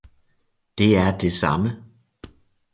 det er det samme.